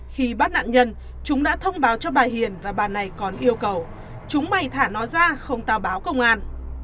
khi bắt nạn nhân chúng đã thông báo cho bà hiền và bà này còn yêu cầu chúng may thả nó ra không tao báo công an